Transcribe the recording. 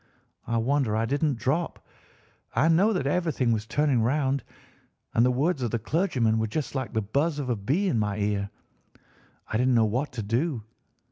I wonder I didn't drop. I know that everything was turning round, and the words of the clergyman were just like the buzz of a bee in my ear. I didn't know what to do.